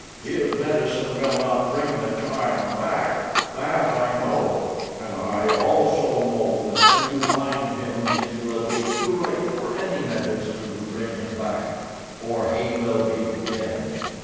"His medicine will not bring the child back that I know, and I also know that when you find him it will be too late for any medicine to bring him back, for he will be dead.